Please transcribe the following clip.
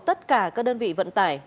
tất cả các đơn vị vận tải